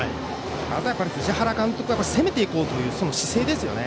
あとは藤原監督が攻めていこうという姿勢ですね。